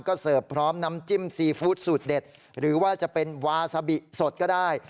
ก็เสิร์ฟพร้อมน้ำจิ้มซีฟู้ดสูตรเด็ดหรือว่าจะเป็นวาซาบิสดก็ได้